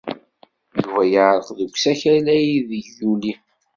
Yuba yeɛreq deg usakal aydeg yuli.